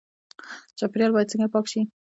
چاپیریال باید څنګه پاک شي؟